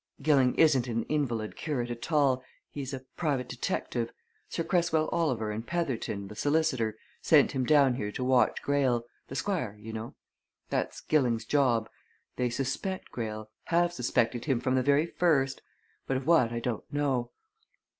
Gilling isn't an invalid curate at all! he's a private detective. Sir Cresswell Oliver and Petherton, the solicitor, sent him down here to watch Greyle the Squire, you know that's Gilling's job. They suspect Greyle have suspected him from the very first but of what I don't know.